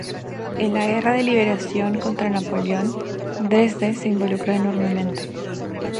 En la Guerra de liberación contra Napoleón, Dresde se involucró enormemente.